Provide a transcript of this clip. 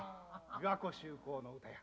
「琵琶湖周航の歌」や。